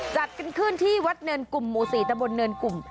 จัดกันขึ้นที่วัดเนินกลุ่มหมู่๔ตะบนเนินกลุ่ม